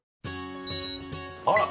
「あら！」